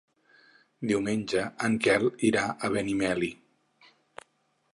Diumenge en Quel irà a Benimeli.